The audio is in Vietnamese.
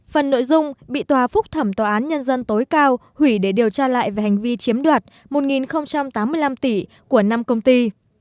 phần nội dung bị tòa phúc thẩm tòa án nhân dân tối cao hủy để điều tra lại về hành vi chiếm đoạt một tám mươi năm tỷ của năm công ty